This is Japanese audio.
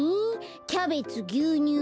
キャベツぎゅうにゅう